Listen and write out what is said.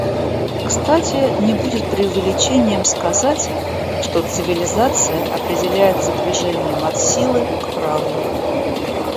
Кстати, не будет преувеличением сказать, что цивилизация определяется движением от силы к праву.